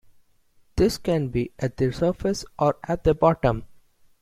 This can be at the surface or at the bottom.